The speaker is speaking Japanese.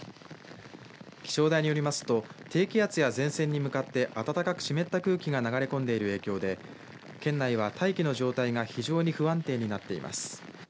気象台によりますと低気圧や前線に向かって暖かく湿った空気が流れ込んでいる影響で県内は大気の状態が非常に不安定になっています。